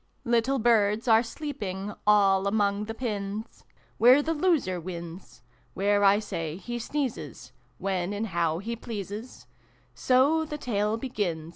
Little Birds are sleeping All among the pins, Where the loser wins: Where, I say, he sneezes When and how he pleases So the Tale begins.